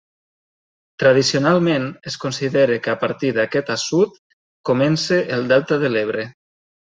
Tradicionalment es considera que a partir d'aquest assut comença el Delta de l'Ebre.